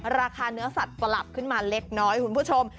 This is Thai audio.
ราคาเนื้อสัตว์ปรับขึ้นมาเล็กน้อยคุณผู้ชม